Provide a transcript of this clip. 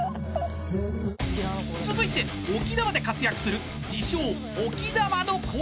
［続いて沖縄で活躍する自称］